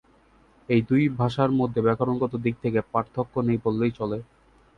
এই দুই ভাষার মধ্যে ব্যাকরণগত দিক থেকে পার্থক্য নেই বললেই চলে।